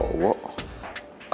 kok itu kayak jam tangan cowok